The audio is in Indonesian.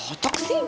kok gak cocok sih